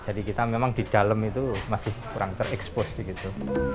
jadi kita memang di dalam itu masih kurang terekspos begitu